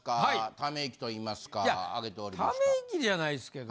ため息じゃないですけど。